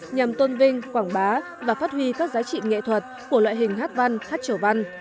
nhằm tôn vinh quảng bá và phát huy các giá trị nghệ thuật của loại hình hát văn hát chầu văn